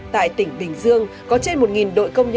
tại tỉnh bình dương